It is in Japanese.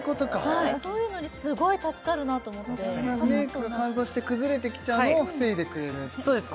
そういうのにすごい助かるなと思ってメイクが乾燥して崩れてきちゃうのを防いでくれるそうです